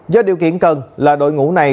do điều kiện cần là đội ngũ này